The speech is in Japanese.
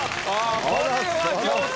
・これは上等。